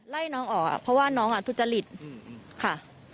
ไล่น้องออกเพราะว่าน้องทุจริตค่ะ